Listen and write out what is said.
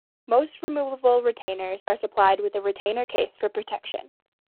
Most removable retainers are supplied with a retainer case for protection.